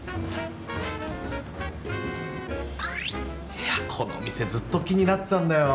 いやこの店ずっと気になってたんだよ。